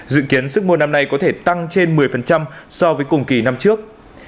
dự kiến sức mua năm nay có thể tăng trên một mươi so với cùng kỳ năm trước